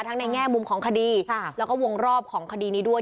ในแง่มุมของคดีแล้วก็วงรอบของคดีนี้ด้วย